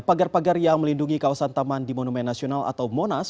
pagar pagar yang melindungi kawasan taman di monumen nasional atau monas